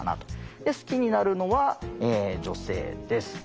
で好きになるのは女性です。